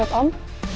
terima kasih om